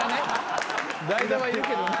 ・代打はいるけどね。